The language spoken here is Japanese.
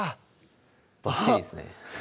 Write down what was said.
ばっちりですね